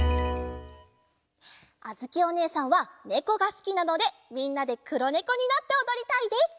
あづきおねえさんはねこがすきなのでみんなでくろねこになっておどりたいです！